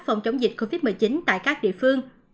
phòng chống dịch covid một mươi chín tại các địa phương